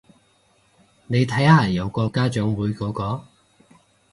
你睇下有個家長會嗰個